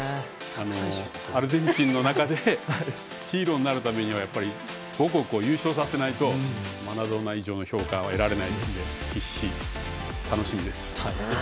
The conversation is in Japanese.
アルゼンチンの中でヒーローになるためには母国を優勝させないとマラドーナ以上の評価は得られないので、楽しみです。